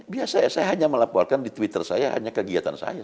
biasa saya hanya melaporkan di twitter saya hanya kegiatan saya